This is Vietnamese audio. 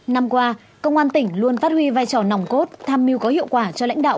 năm qua công an tỉnh luôn phát huy vai trò nòng cốt tham mưu có hiệu quả cho lãnh đạo